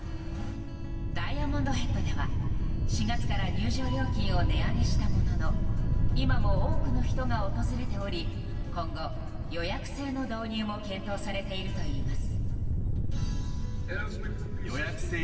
ダイヤモンドヘッドでは４月から入場料金を値上げしたものの今も多くの人が訪れており今後、予約制の導入も検討されているといいます。